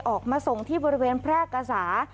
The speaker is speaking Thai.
ออกมาส่งที่บริเวณแพร่กษา